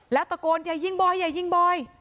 แล้วตะโกนอย่ายิงบอยอย่ายิงบอย